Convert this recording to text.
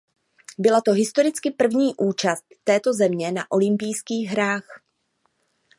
Byla to historicky první účast této země na olympijských hrách.